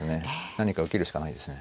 何か受けるしかないですね。